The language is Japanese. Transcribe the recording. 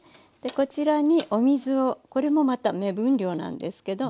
こちらにお水をこれもまた目分量なんですけど。